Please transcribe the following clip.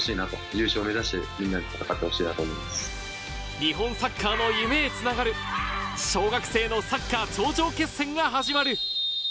日本サッカーの夢へつながる、小学生のサッカー頂上決戦が始まる。